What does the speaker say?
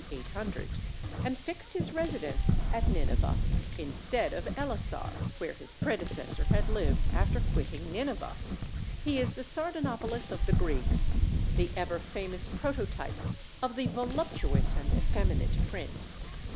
800, and fixed his residence at Nineveh, instead of Ellasar, where his predecessor had lived after quitting Nineveh; he is the Sardanapalus of the Greeks, the ever famous prototype of the voluptuous and effeminate prince.